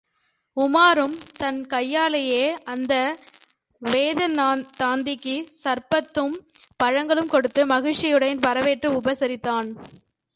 உமாரும் தன் கையாலேயே அந்த வேதாந்திக்கு சர்பத்தும் பழங்களும் கொடுத்து மகிழ்ச்சியுடன் வரவேற்று உபசரித்தான்.